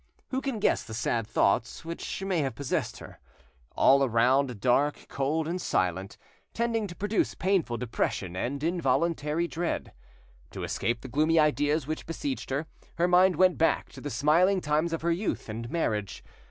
Who can guess the sad thoughts which may have possessed her?—all around dark, cold, and silent, tending to produce painful depression and involuntary dread. To escape the gloomy ideas which besieged her, her mind went back to the smiling times of her youth and marriage.